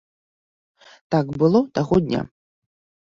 Так было таго дня.